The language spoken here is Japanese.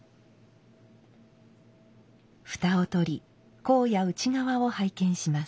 蓋を取り甲や内側を拝見します。